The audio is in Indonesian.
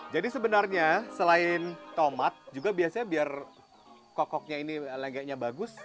jadi sebenarnya selain tomat juga biasanya biar kokoknya ini lenggeknya bagus